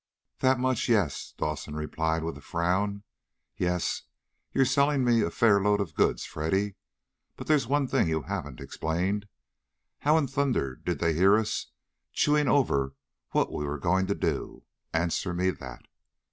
"That much, yes," Dawson replied with a frown. "Yes, you're selling me a fair load of goods, Freddy. But there's one thing you haven't explained. How in thunder did they hear us chewing over what we were going to do? Answer me that?"